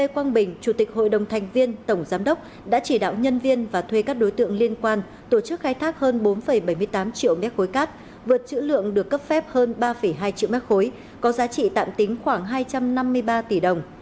quang bình chủ tịch hội đồng thành viên tổng giám đốc đã chỉ đạo nhân viên và thuê các đối tượng liên quan tổ chức khai thác hơn bốn bảy mươi tám triệu mét khối cát vượt chữ lượng được cấp phép hơn ba hai triệu mét khối có giá trị tạm tính khoảng hai trăm năm mươi ba tỷ đồng